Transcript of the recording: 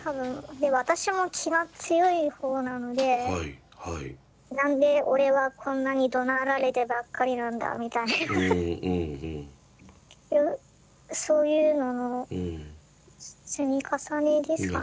で私も気が強い方なので「何で俺はこんなにどなられてばっかりなんだ」みたいな。そういうのの積み重ねですかね。